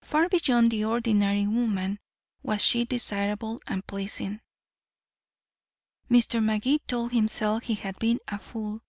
Far beyond the ordinary woman was she desirable and pleasing. Mr. Magee told himself he had been a fool.